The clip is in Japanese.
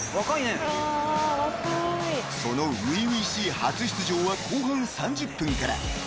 ［その初々しい初出場は後半３０分から］